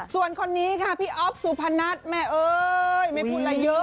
ส่วนคนนี้ค่ะพี่อ๊อฟสุพนัทแม่เอ้ยไม่พูดอะไรเยอะ